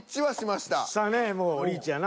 したねもうリーチやな